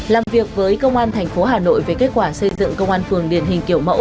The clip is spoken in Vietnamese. làm việc với công an thành phố hà nội về kết quả xây dựng công an phường điển hình kiểu mẫu